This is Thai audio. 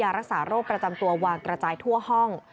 รักษาโรคประจำตัววางกระจายทั่วห้อง